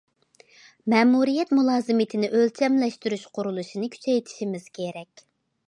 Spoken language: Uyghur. مەمۇرىيەت مۇلازىمىتىنى ئۆلچەملەشتۈرۈش قۇرۇلۇشىنى كۈچەيتىشىمىز كېرەك.